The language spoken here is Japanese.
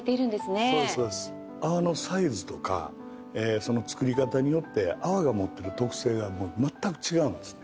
泡のサイズとかその作り方によって泡が持ってる特性が全く違うんですね。